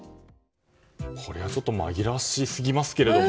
これはちょっと紛らわしすぎますけど。